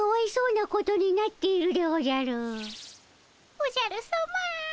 おじゃるさま。